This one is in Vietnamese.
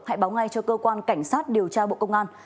hãy báo ngay cho cơ quan cảnh sát điều tra bộ công an